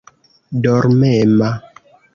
dormema